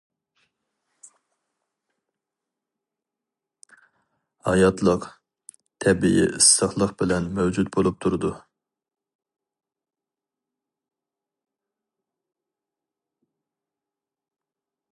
ھاياتلىق تەبىئىي ئىسسىقلىق بىلەن مەۋجۇت بولۇپ تۇرىدۇ.